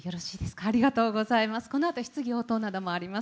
ありがとうございます。